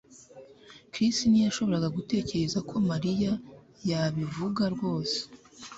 Chris ntiyashoboraga gutekereza ko Mariya yabivuga rwose